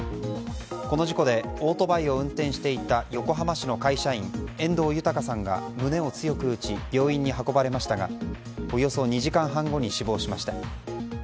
この事故でオートバイを運転していた横浜市の会社員遠藤寛さんが胸を強く打ち病院に運ばれましたがおよそ２時間半後に死亡しました。